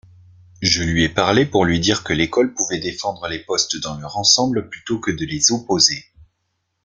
Je lui ai parlé pour lui dire que l’école pouvait défendre les postes dans leur ensemble plutôt que de les opposer.